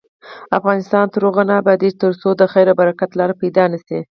افغانستان تر هغو نه ابادیږي، ترڅو د خیر او برکت لاره پیدا نشي.